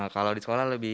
kalau di sekolah lebih